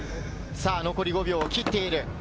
残り５秒を切っている。